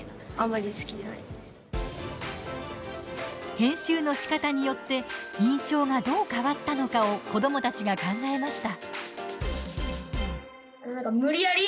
編集のしかたによって印象がどう変わったのかを子どもたちが考えました。